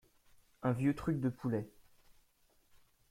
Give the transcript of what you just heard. Un vieux truc de poulet.